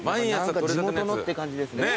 地元のって感じですね。